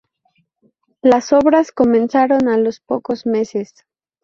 Las obras comenzaron a los pocos meses.